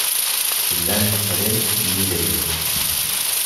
Tellam tesrim i yedrimen.